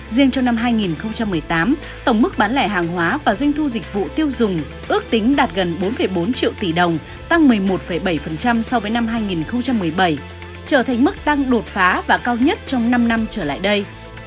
riêng trong năm hai nghìn một mươi tám tổng mức bán lẻ hàng hóa và doanh thu dịch vụ tiêu dùng ước tính đạt gần bốn bốn triệu tỷ đồng tăng một mươi một bảy so với năm hai nghìn một mươi bảy trở thành mức tăng đột phá và cao nhất trong năm năm trở lại đây